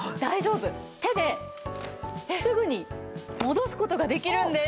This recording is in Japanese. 手ですぐに戻す事ができるんです。